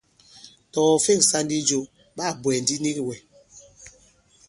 Tɔ̀ ɔ̀ fe᷇ŋsā ndi jo, ɓa kà bwɛ̀ɛ̀ ndi nik wɛ̀.